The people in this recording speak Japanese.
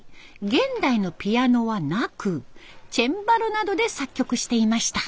現代のピアノはなくチェンバロなどで作曲していました。